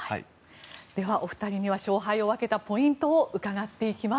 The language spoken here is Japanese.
ではお二人には勝敗を分けたポイントを伺っていきます。